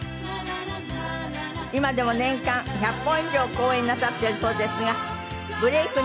今でも年間１００本以上口演なさってるそうですがブレイク